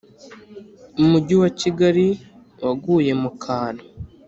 umugi wa Kigali waguye mu kantu